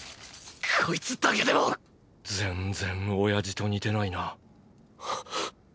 こいつだけでもーー全然親父と似てないな。